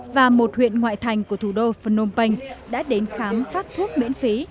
và một huyện ngoại thành của thủ đô phnom penh đã đến khám phát thuốc miễn phí